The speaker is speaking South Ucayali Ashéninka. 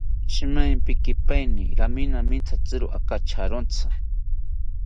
Shimaempikipaeni raminaminatziri akacharontzi